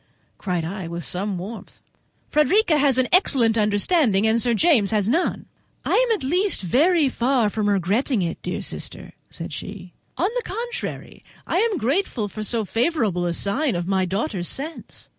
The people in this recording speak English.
cried I with some warmth; "Frederica has an excellent understanding, and Sir James has none." "I am at least very far from regretting it, my dear sister," said she; "on the contrary, I am grateful for so favourable a sign of my daughter's sense.